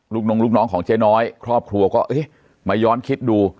ลูกน้องลูกน้องของเจ๊น้อยครอบครัวก็ไม่ย้อนคิดดู